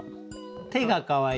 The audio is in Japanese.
手がかわいい。